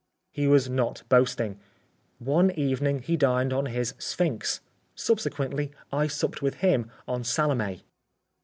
He was not boasting. One evening he dined on his "Sphinx." Subsequently I supped with him on "Salome."